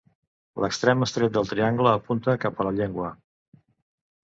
L'extrem estret del triangle apunta cap a la llengua.